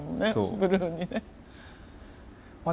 ブルーにね。